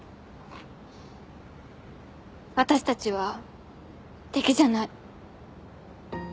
私たちは敵じゃない。